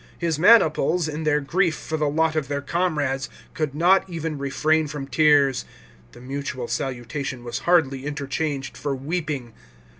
His maniples, in their grief for the lot of their comrades, could not even refrain from tears ; the mutual salutation was hardly interchanged for weeping.